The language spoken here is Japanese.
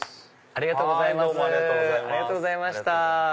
ありがとうございます。